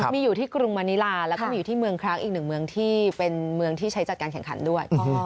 มีอยู่ที่กรุงวาเนลาและเขามีอยู่ที่เมืองคร้ากอีกหนึ่งเมืองที่ใช้จัดการแข่งขันบันนี้